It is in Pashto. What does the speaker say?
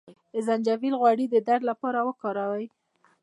د زنجبیل غوړي د درد لپاره وکاروئ